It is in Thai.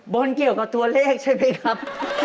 บนเกี่ยวกับตัวเลขใช่ไหมครับ